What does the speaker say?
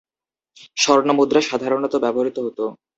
স্বর্ণমুদ্রা সাধারণত ব্যবহার হত।